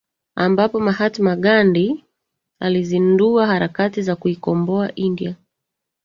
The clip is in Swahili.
ambapo Mahatma Gandhi alizindua harakati za kuikomboa india